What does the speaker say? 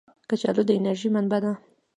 کچالو د انرژۍ منبع ده